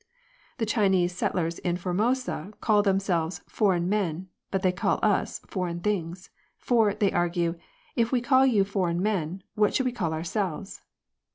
The Chinese settlers in Formosa call them selves "foreign men,'' but they call us " foreign things ;" for, they argue, if we called you foreign men, what should we call ourselves